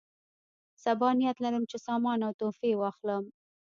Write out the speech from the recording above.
صبا نیت لرم چې سامان او تحفې واخلم.